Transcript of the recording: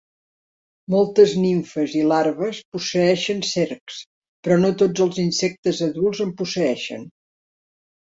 Moltes nimfes i larves posseeixen cercs, però no tots els insectes adults en posseeixen.